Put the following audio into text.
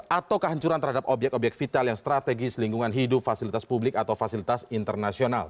atau kehancuran terhadap obyek obyek vital yang strategis lingkungan hidup fasilitas publik atau fasilitas internasional